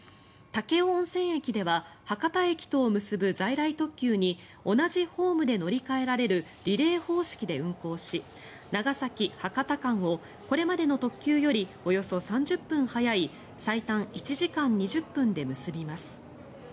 武雄温泉駅では博多駅等を結ぶ在来特急に同じホームで乗り換えられるリレー方式で運行し長崎・博多間をこれまでの特急よりおよそ３０分早い最短１時間２０分で結びます。